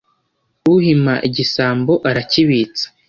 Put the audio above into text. uhima igisambo arakibitsa